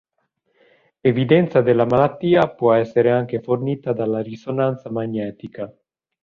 Evidenza della malattia può essere anche fornita dalla risonanza magnetica.